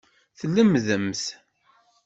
Tlemdemt.